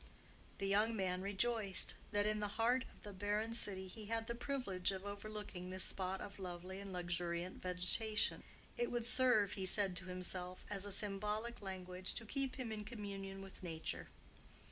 The young man rejoiced that, in the heart of the barren city, he had the privilege of overlooking this spot of lovely and luxuriant vegetation. It would serve, he said to himself, as a symbolic language to keep him in communion with Nature.